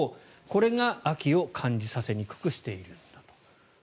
これが秋を感じさせにくくしているんだと。